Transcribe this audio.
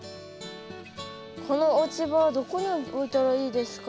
この落ち葉はどこに置いたらいいですか？